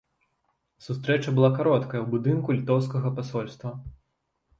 Сустрэча была кароткая, у будынку літоўскага пасольства.